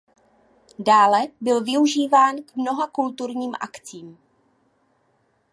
Dále byl využíván k mnoha kulturním akcím.